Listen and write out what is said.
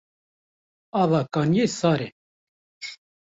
Ava kaniyê sar e.